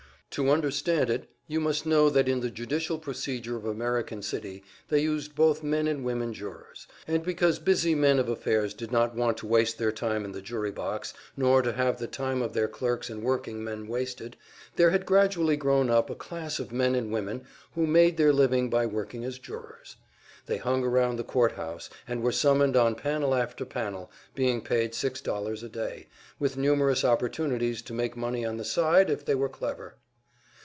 To understand it, you must know that in the judicial procedure of American City they used both men and women jurors; and because busy men of affairs did not want to waste their time in the jury box, nor to have the time of their clerks and workingmen wasted, there had gradually grown up a class of men and women who made their living by working as jurors. They hung around the courthouse and were summoned on panel after panel, being paid six dollars a day, with numerous opportunities to make money on the side if they were clever.